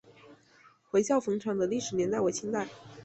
回教坟场的历史年代为清代。